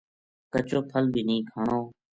کچو پھل بھی نیہہ کھانو“